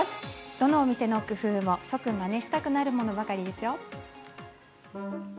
どのお店の工夫も即マネしたくなるものばかりですよ。